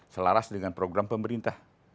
selaras dengan program pemerintah